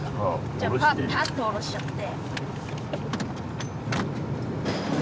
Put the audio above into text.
じゃあパッと降ろしちゃって。